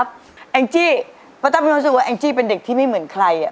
เพราะว่าเพราะว่าเพราะว่าเพราะ